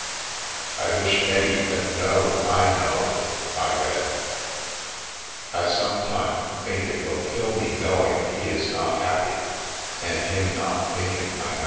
" i wish eddie cud no i no/' I read. " i sumtime think it will kill me noing he is not happy an him not thinken 1 no.